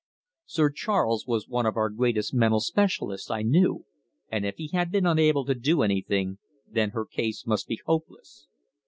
Sir Charles was one of our greatest mental specialists, I knew, and if he had been unable to do anything, then her case must be hopeless.